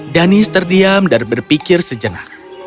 danis terdiam dan berpikir sejenak